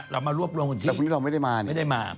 เรามารวบรวมที่แต่พรุ่งนี้เราไม่ได้มา